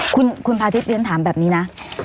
คุณคุณพาธิทเรียกจังถามแบบนี้นะ